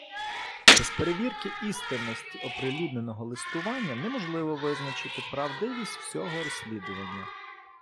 Без перевірки істинності оприлюдненого листування неможливо визначити правдивість всього розслідування.